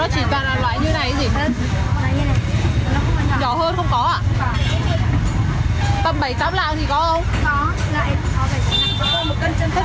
chứ mà nó chỉ toàn là loại như này hay gì